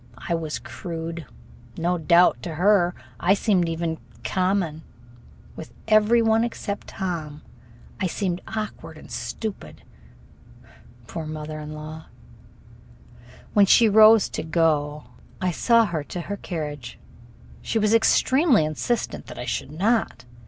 I was crude. No doubt, to her, I seemed even common. With every one except Tom I seemed awkward and stupid. Poor mother in law! When she rose to go, I saw her to her carriage. She was extremely insistent that I should not.